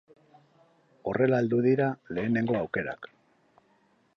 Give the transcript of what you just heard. Horrela heldu dira lehenengo aukerak.